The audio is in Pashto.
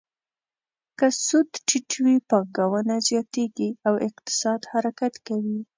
که سود ټیټ وي، پانګونه زیاتیږي او اقتصاد حرکت کوي.